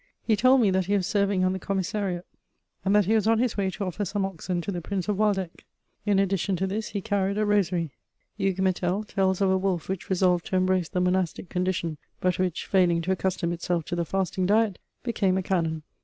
He told me that he was serving on the commissariat, and that he was on his way to offer some oxen to the Prince of Waldeck. In addition to this, he carried a rosary. Hugues Métel tells of a wolf which resolved to embrace the monastic condition, but which, failing to accustom itself to the fasting diet, became a canon.